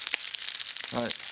はい。